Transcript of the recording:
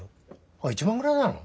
あっ１万ぐらいなの？